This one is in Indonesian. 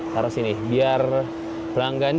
taruh sini biar pelanggan